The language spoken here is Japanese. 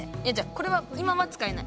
これは今はつかえない。